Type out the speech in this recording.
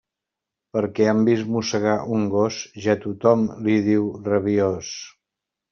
Perquè han vist mossegar un gos, ja tothom li diu rabiós.